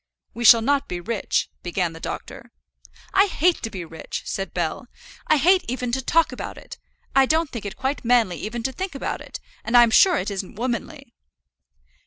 "We shall not be rich " began the doctor. "I hate to be rich," said Bell. "I hate even to talk about it. I don't think it quite manly even to think about it; and I'm sure it isn't womanly."